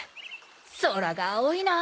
空が青いな！